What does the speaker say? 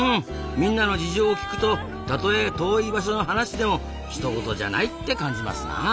みんなの事情を聞くとたとえ遠い場所の話でもひと事じゃないって感じますなあ。